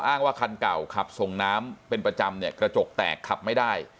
ว่าคันเก่าขับส่งน้ำเป็นประจำเนี่ยกระจกแตกขับไม่ได้